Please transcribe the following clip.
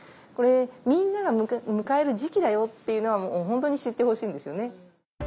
これみんなが迎える時期だよっていうのは本当に知ってほしいんですよね。